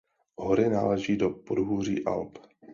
Hory náleží do podhůří Alp.